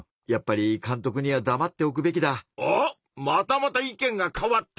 またまた意見が変わった！